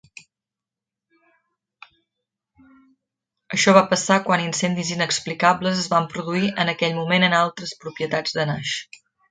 Això va passar quan incendis inexplicables es van produir en aquell moment en altres propietats de Nash.